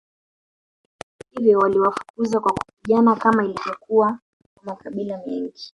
Hivyo waliwafukuza kwa kupigana kama ilivyokuwa kwa makabila mengi